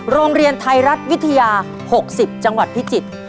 โรงเรียนไทยรัฐวิทยา๖๐จังหวัดพิจิตร